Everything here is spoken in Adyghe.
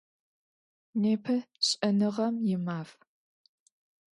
Непэ Шӏэныгъэм и Маф.